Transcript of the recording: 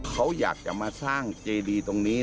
เขาอยากจะมาสร้างเจดีตรงนี้